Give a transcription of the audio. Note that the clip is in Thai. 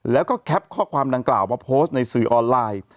แล้วก็แคปข้อความดังกล่าวมาโพสต์ในสื่อออนไลน์